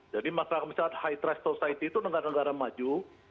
jadi masyarakat high trust society itu negara negara maju